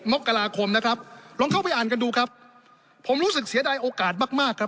มกราคมนะครับลองเข้าไปอ่านกันดูครับผมรู้สึกเสียดายโอกาสมากมากครับ